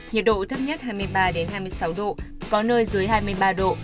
nhiệt độ thấp nhất hai mươi ba hai mươi sáu độ có nơi dưới hai mươi ba độ